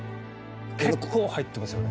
結構入ってますよね。